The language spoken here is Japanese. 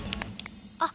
あっ！